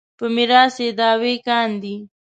په میراث یې دعوې کاندي.